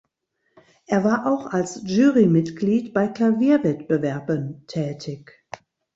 Er war auch als Jurymitglied bei Klavierwettbewerben tätig.